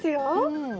うん。